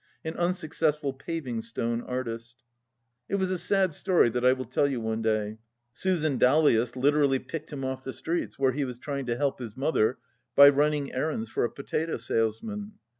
An unsuccessful paving stone artist. It was a sad story that I will tell you one day. Susan Dowlais literally picked him off the streets, where he was trying to help his mother by running errands for a potato salesman.